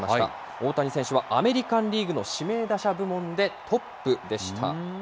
大谷選手はアメリカンリーグの指名打者部門でトップでした。